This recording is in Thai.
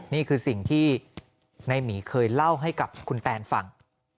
นี่คือสิ่งที่ในหมีเคยเล่าให้กับคุณแตนฟัง